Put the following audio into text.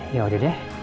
ya udah deh